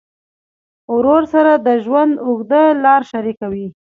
ورور سره د ژوند اوږده لار شریکه وي.